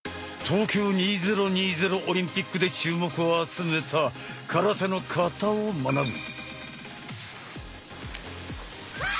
東京２０２０オリンピックで注目を集めた空手の「形」を学ぶ。